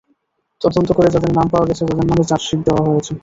তদন্ত করে যাদের নাম পাওয়া গেছে, তাদের নামে চার্জশিট দেওয়া হয়েছে।